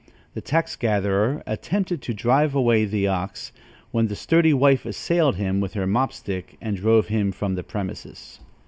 The tax gatherer attempted to drive away the ox, when the sturdy wife assailed him with her mop stick and drove him from the premises.